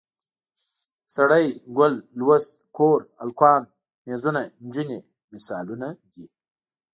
سړی، ګل، لوست، کور، هلکان، میزونه، نجونې مثالونه دي.